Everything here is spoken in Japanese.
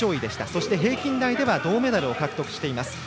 そして平均台では銅メダルを獲得しています。